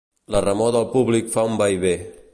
La remor del públic fa un vaivé.